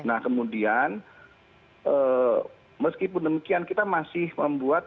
nah kemudian meskipun demikian kita masih membuat